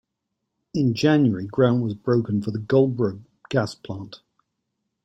In January ground was broken for the Goldboro gas plant.